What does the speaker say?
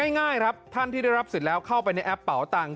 ง่ายครับท่านที่ได้รับสิทธิ์แล้วเข้าไปในแอปเป๋าตังค